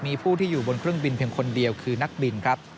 มีผู้ที่อยู่บนเครื่องบินเพียงคนเดียวคือนักบินครับ